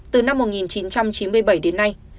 từ năm một nghìn chín trăm chín mươi bảy đến nay